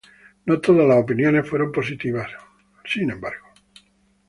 No todas las opiniones fueron positivas, sin embargo.